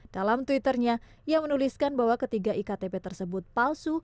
dalam twitternya ia menuliskan bahwa ketiga iktp tersebut palsu